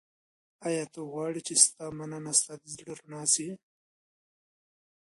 ایا ته غواړې چي ستا مننه ستا د زړه رڼا سي؟